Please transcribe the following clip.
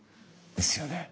ですよね。